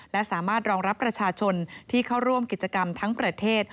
และสามารถรองรับประชาชนที่เข้าร่วมกิจกรรมทั้งประเทศ